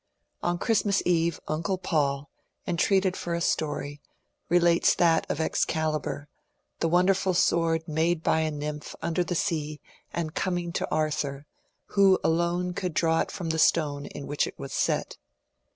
On Christmas Eve uncle Paul, entreated for a story, relates that of ^^ Excalibur," the wonderful sword made by a nymph under the sea and coming to Arthur, who alone could draw it from the stone in which it was set.